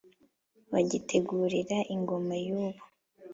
Bagitegurira ingoma y’ubu.